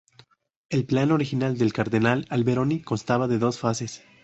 El plan original del cardenal Alberoni constaba de dos fases.